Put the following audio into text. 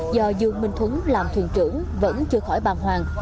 do dương minh thuấn làm thuyền trưởng vẫn chưa khỏi bàng hoàng